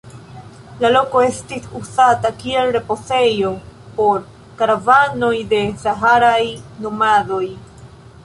La loko estis uzata kiel ripozejo por karavanoj de saharaj nomadoj.